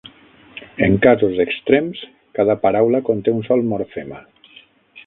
En casos extrems, cada paraula conté un sol morfema.